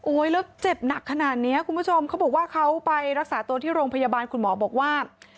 แล้วเจ็บหนักขนาดนี้คุณผู้ชมเขาบอกว่าเขาไปรักษาตัวที่โรงพยาบาลคุณหมอบอกว่า